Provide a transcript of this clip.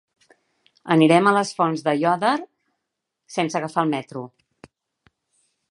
Anirem a les Fonts d'Aiòder sense agafar el metro.